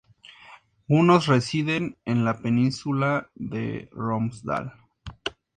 Unos residen en la península de Romsdal.